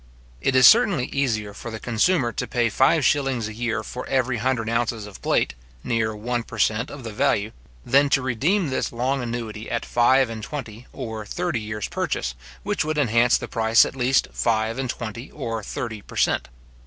It is certainly easier for the consumer to pay five shillings a year for every hundred ounces of plate, near one per cent. of the value, than to redeem this long annuity at five and twenty or thirty years purchase, which would enhance the price at least five and twenty or thirty per cent.